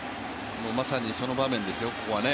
まさにその場面ですよ、ここはね。